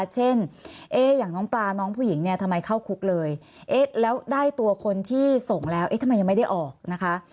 เช่นอย่างน้องปลาน้องผู้หญิงเนี่ยทำไมเข้าคุกเลยแล้วได้ตัวคนที่ส่งแล้วเอ๊ะทำไมยังไม่ได้ออกนะคะ